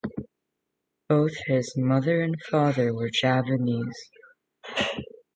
Both his mother and father were Javanese.